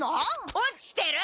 落ちてる！